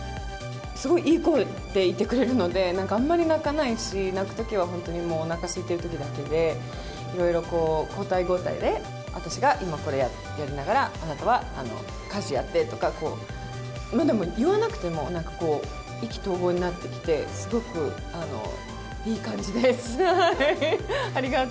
すごいいい子でいてくれるので、なんかあんまり泣かないし、泣くときは本当にもうおなかすいてるときだけで、いろいろこう、交代交代で、私が今これやりながら、あなたは家事やってとか、こう、でも言わなくてもなんかこう、意気投合になってきて、すごくいい感じです。